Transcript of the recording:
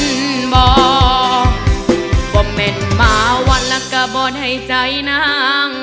ได้ยินบ่ว่าเม็ดมาวันละก็บ่ได้ใจนั้ง